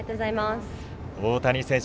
大谷選手